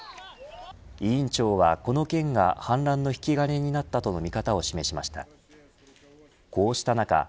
委員長は、この件が反乱の引き金になったと見方を示しました。